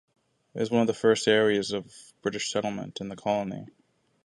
It was one of the first areas of British settlement in the colony.